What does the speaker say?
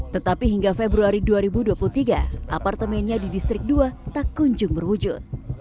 tetapi hingga februari dua ribu dua puluh tiga apartemennya di distrik dua tak kunjung berwujud